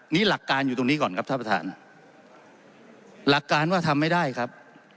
นี่หลักการอยู่ตรงนี้ก่อนครับท่านประธานหลักการว่าทำไม่ได้ครับ